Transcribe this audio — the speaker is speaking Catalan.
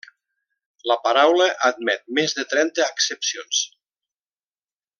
La paraula admet més de trenta accepcions.